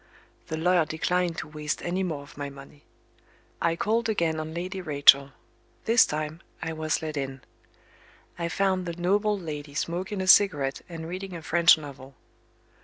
The lawyer declined to waste any more of my money. I called again on Lady Rachel. This time, I was let in. I found the noble lady smoking a cigarette and reading a French novel.